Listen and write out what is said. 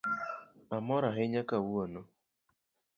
Amor ahinya kawuono